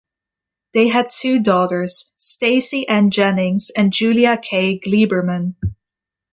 They had two daughters, Stacy Ann Jennings and Julia Kay Glieberman.